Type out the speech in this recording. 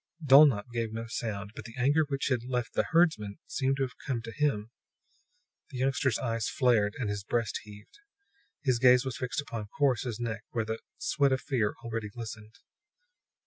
Dulnop gave no sound, but the anger which had left the herdsman seemed to have come to him; the youngster's eyes flared and his breast heaved. His gaze was fixed upon Corrus's neck, where the sweat of fear already glistened.